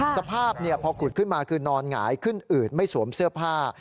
สภาพพอขุดขึ้นมาคือนอนหงายขึ้นอืดไม่สวมเสื้อผ้า